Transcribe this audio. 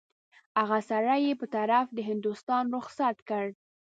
هغه سړی یې په طرف د هندوستان رخصت کړ.